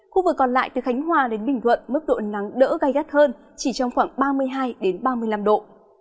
khu vực còn lại từ khánh hòa đến bình thuận mức độ nắng đỡ gai gắt hơn chỉ trong khoảng ba mươi hai ba mươi năm độ